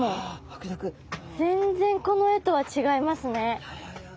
全然この絵とは違いますね！